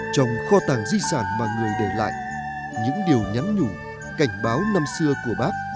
trong kho tàng di sản mà người để lại những điều nhắn nhủ cảnh báo năm xưa của bác